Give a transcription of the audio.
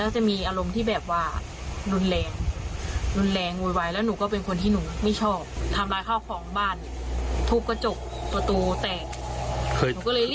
จะฆ่าปากคอให้หมดทั้งครอบครัวเลย